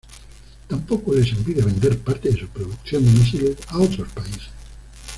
Tampoco les impide vender parte de su producción de misiles a otros países.